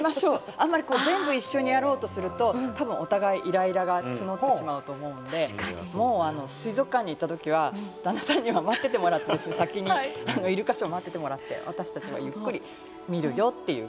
あんまり全部一緒にやろうとすると、たぶんお互いイライラが募ってしまうと思うので、水族館に行ったときは旦那さんには待っててもらって、先にイルカショーを待っててもらって、私達はゆっくり見るよという。